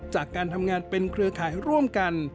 จากการทำงานเป็นเครือข่ายร่วมกัน